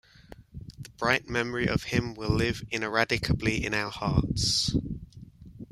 The bright memory of him will live ineradicably in our hearts.